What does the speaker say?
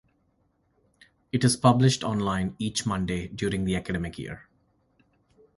It is published online each Monday during the academic year.